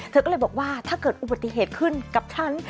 เธอก็เลยบอกว่าถ้าเกิดอุบัติเหตุขึ้นกับฉัน